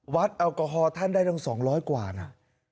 วัดแอลกอฮอล์ท่านได้ตั้ง๒๐๐อยู่กว่านะ